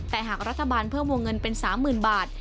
แต่หากรัฐบาลเพิ่มวงเงินเป็น๓๐๐๐บาท